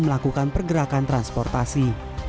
melakukan pergerakan transportasi